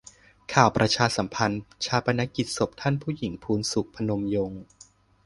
ข่าวประชาสัมพันธ์ : ฌาปนกิจศพท่านผู้หญิงพูนศุข พนมยงค์